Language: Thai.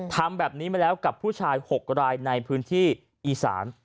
ทำแบบนี้มาแล้วกับผู้ชาย๖รายในพื้นที่อีสาน